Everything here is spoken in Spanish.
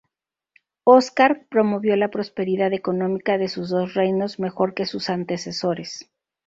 Óscar promovió la prosperidad económica de sus dos reinos mejor que sus antecesores.